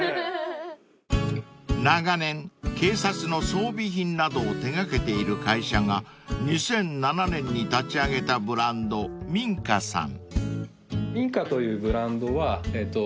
［長年警察の装備品などを手掛けている会社が２００７年に立ち上げたブランドｍｉｎｃａさん］